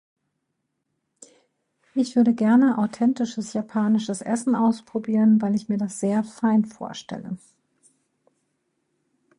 Ich würde gerne authentisches japanisches Essen ausprobieren, weil ich mir das sehr fein vorstelle.